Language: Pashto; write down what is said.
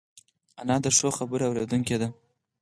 انا د ښو خبرو اورېدونکې ده